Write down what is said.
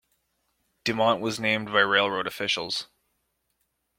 Dumont was named by railroad officials.